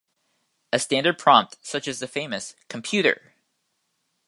A standard prompt, such as the famous Computer!